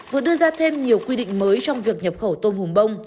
vừa đưa ra thêm nhiều quy định mới trong việc nhập khẩu tôm hùm bông